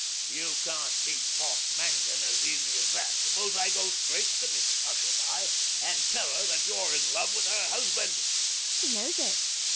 You can't beat Boss Mangan as easy as that. Suppose I go straight to Mrs Hushabye and tell her that you're in love with her husband.